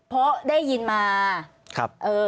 เพราะได้ยินมาครับเออ